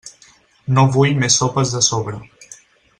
No vull més sopes de sobre.